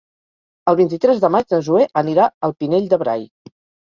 El vint-i-tres de maig na Zoè anirà al Pinell de Brai.